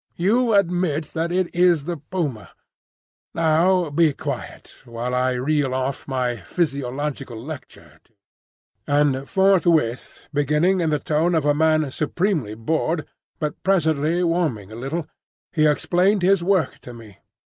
You admit that it is the puma. Now be quiet, while I reel off my physiological lecture to you." And forthwith, beginning in the tone of a man supremely bored, but presently warming a little, he explained his work to me.